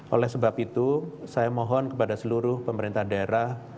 oleh sebab itu saya mohon kepada seluruh pemerintah daerah